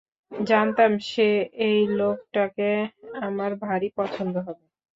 জানতাম যে এই লোকটাকে আমার ভারি পছন্দ হবে!